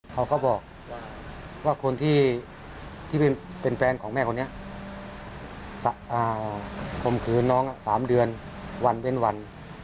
เขาก็บอกว่าคนที่เป็นแฟนของแม่คนนี้คมคืนน้อง๓เดือนวันเว้นวัน